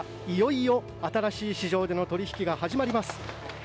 いよいよ新しい市場での取引が始まります。